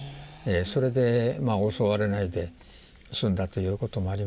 それで襲われないで済んだということもありまして。